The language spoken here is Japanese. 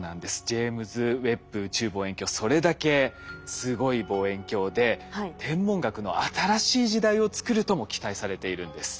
ジェイムズ・ウェッブ宇宙望遠鏡それだけすごい望遠鏡で天文学の新しい時代をつくるとも期待されているんです。